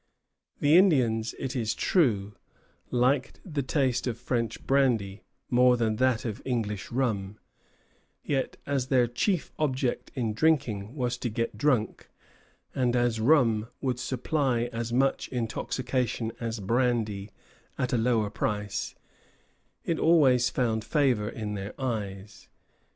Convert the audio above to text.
The Indians, it is true, liked the taste of French brandy more than that of English rum; yet as their chief object in drinking was to get drunk, and as rum would supply as much intoxication as brandy at a lower price, it always found favor in their eyes.